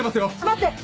待って！